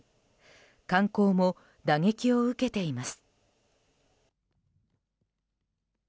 観光も打撃を受けています。